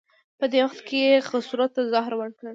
په دې وخت کې یې خسرو ته زهر ورکړل.